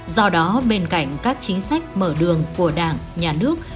do đó bên cạnh các chính sách mở đường của đảng nhà nước